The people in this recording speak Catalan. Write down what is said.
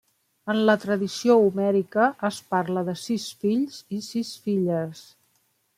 En la tradició homèrica es parla de sis fills i sis filles.